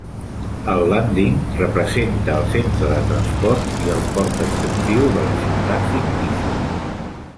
El "Landing" representa el centre de transport i el port esportiu de la ciutat fictícia.